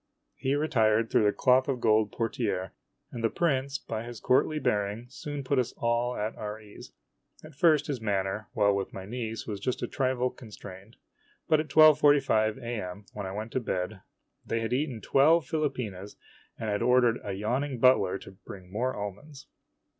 He retired through the cloth of gold portiere, and the prince, by his courtly bearing, soon put us all at our ease. At first his manner, while with my niece, was just a trifle constrained ; but at 12.45 A M > when I went to bed, they had eaten twelve philopenas and had ordered the yawning butler to bring more almonds.